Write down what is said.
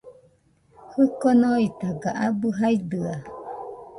Jiko noitaga abɨ jaidɨa